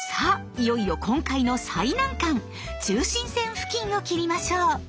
いよいよ今回の最難関中心線付近を切りましょう。